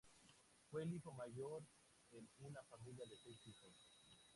Fue el hijo mayor en una familia de seis hijos.